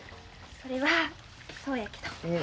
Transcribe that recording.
それはそうやけど。